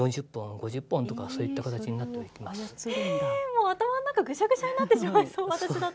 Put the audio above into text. もう頭ん中ぐしゃぐしゃになってしまいそう私だったら。